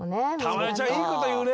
たまよちゃんいいこというね！